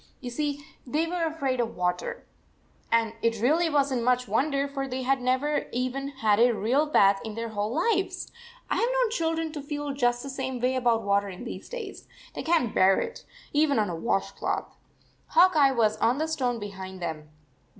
You see, they were afraid of water, and it really was n t much wonder, for they had never even had a real bath in their whole lives. I ve known children to feel just the same way about water in these days. They can t bear it, even on a wash cloth. Hawk Eye was on the stone behind them.